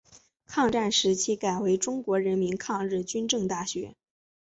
抗战时期改为中国人民抗日军政大学。